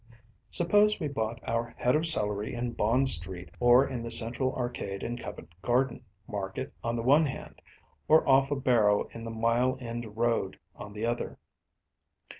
Suppose we bought our head of celery in Bond Street or the Central Arcade in Covent Garden Market on the one hand, or off a barrow in the Mile End Road on the other.